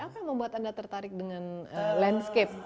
apa yang membuat anda tertarik dengan landscape